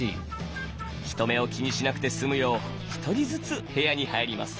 人目を気にしなくて済むよう１人ずつ部屋に入ります。